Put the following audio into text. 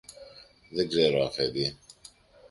Δεν ξέρω, Αφέντη.